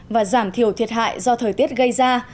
và giảm thiểu thiệt hại do thời tiết gây ra